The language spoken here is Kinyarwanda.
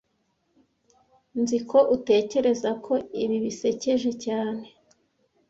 Nzi ko utekereza ko ibi bisekeje cyane